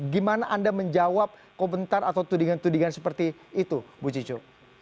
gimana anda menjawab komentar atau tudingan tudingan seperti itu bu cicu